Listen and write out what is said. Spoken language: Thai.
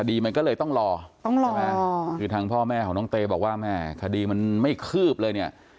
คดีมันก็เลยต้องรอต้องรอคือทางพ่อแม่ของน้องเตบอกว่าแม่คดีมันไม่คืบเลยเนี่ย